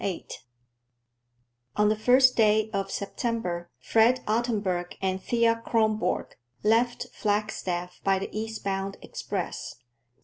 VIII On the first day of September Fred Ottenburg and Thea Kronborg left Flagstaff by the east bound express.